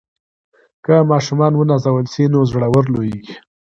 که ماشومان ونازول سي نو زړور لویېږي.